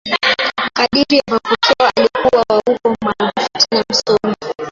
Kadiri ya mapokeo, alikuwa wa ukoo maarufu tena msomi.